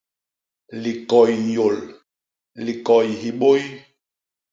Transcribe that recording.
Likoy nyôl; likoy hibôy.